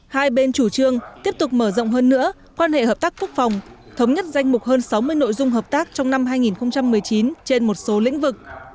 hai bên chủ trương tiếp tục mở rộng hơn nữa quan hệ hợp tác quốc phòng thống nhất danh mục hơn sáu mươi nội dung hợp tác trong năm hai nghìn một mươi chín trên một số lĩnh vực